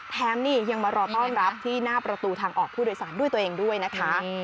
แถมนี่ยังมารอต้อนรับที่หน้าประตูทางออกผู้โดยสารด้วยตัวเองด้วยนะคะ